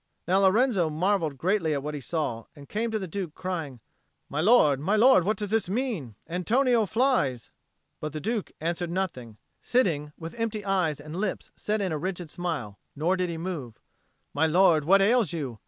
Now Lorenzo marvelled greatly at what he saw, and came to the Duke crying, "My lord, what does this mean? Antonio flies!" But the Duke answered nothing, sitting with empty eyes and lips set in a rigid smile; nor did he move. "My lord, what ails you?"